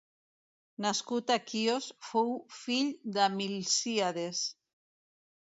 Nascut a Quios, fou fill de Milcíades.